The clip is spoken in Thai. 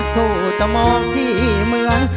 จะมองที่เหมือน